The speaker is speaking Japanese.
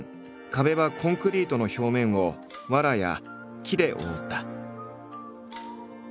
壁はコンクリートの表面をわらや木で覆った。